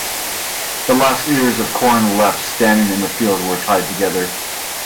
The last ears of corn left standing in the field were tied together.